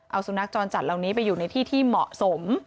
เอาสุนัขจรจัดเหล่านี้ไปอยู่ในที่ที่เหมาะสม